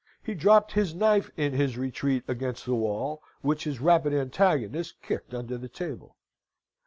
He dropped his knife in his retreat against the wall, which his rapid antagonist kicked under the table.